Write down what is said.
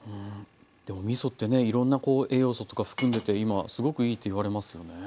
でもみそってねいろんな栄養素とか含んでて今すごくいいっていわれますよね。